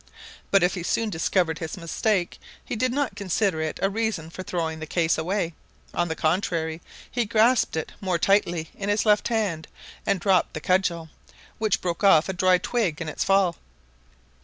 But if he soon discovered his mistake he did not consider it a reason for throwing the case away; on the contrary, he grasped it more tightly in his left hand, and dropped the cudgel, which broke off a dry twig in its fall.